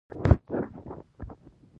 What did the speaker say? نباتي تکثیر ډیر اړین دی